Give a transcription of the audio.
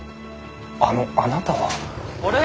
あのあなたは？あれ？